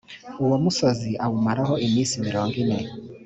uwo musozi awumaraho iminsi mirongo ine